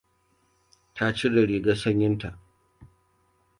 Ta cire rigar sanyin ta.